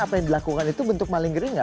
apa yang dilakukan itu bentuk malinggeri gak